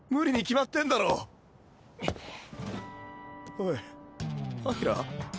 おいアキラ？